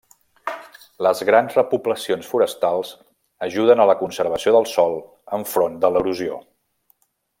Les grans repoblacions forestals ajuden a la conservació del sòl enfront de l'erosió.